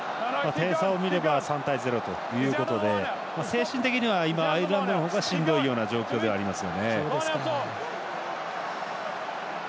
点差を見れば３対０ということで精神的にはアイルランドの方がしんどいような状況ではあります。